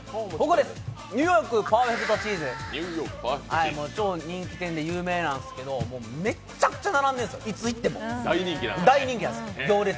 ニューヨークパーフェクトチーズ、超人気店で有名なんですが、めっちゃくちゃ並んでるんですよ、いつ行っても、大人気で。